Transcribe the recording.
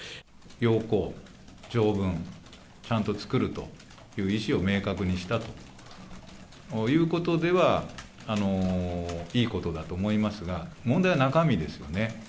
要綱、条文、ちゃんと作るという意思を明確にしたということでは、いいことだと思いますが、問題は中身ですよね。